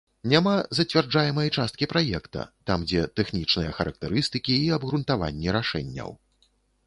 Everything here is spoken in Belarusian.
Няма зацвярджаемай часткі праекта, там дзе тэхнічныя характарыстыкі і абгрунтаванні рашэнняў.